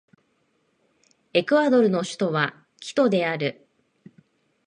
エクアドルの首都はキトである